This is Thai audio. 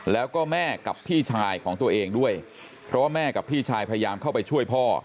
แล้วก็แม่กับพี่ชายของตัวเองด้วยเพราะว่าแม่กับพี่ชายพยายามเข้าไปช่วยพ่อ